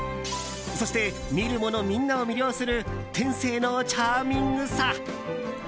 そして見る者みんなを魅了する天性のチャーミングさ。